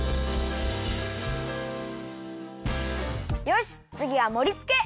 よしつぎはもりつけ！